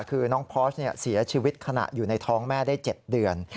คือน้องพอร์สเสียชีวิตขณะอยู่ในท้องแม่ได้๗เดือน